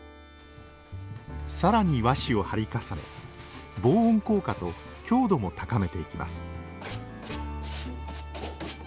さらに和紙を貼り重ね防音効果と強度も高めていきます